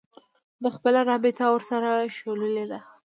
ده خپله رابطه ورسره شلولې ده